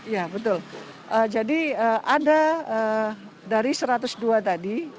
ya betul jadi ada dari satu ratus dua tadi